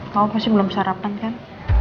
tahu pasti belum sarapan kan